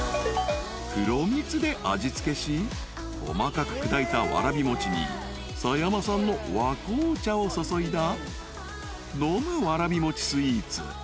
［黒蜜で味付けし細かく砕いたわらび餅に狭山産の和紅茶を注いだ飲むわらび餅スイーツ］